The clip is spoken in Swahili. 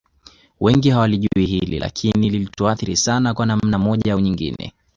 Wengi hawalijui hili lakini lilituathiri sana kwa namna moja au nyingine